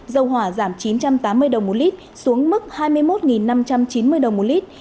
dầu hỏa giảm chín trăm tám mươi đồng một lít xuống mức hai mươi một năm trăm chín mươi đồng một lít